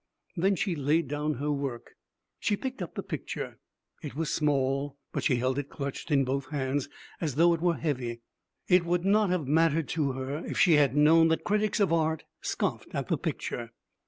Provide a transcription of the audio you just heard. Then she laid down her work. She picked up the picture. It was small, but she held it clutched in both hands, as though it were heavy. It would not have mattered to her if she had known that critics of art scoffed at the picture.